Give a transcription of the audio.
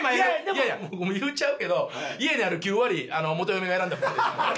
いやいやもう言うちゃうけど家にある９割元嫁が選んだ服です。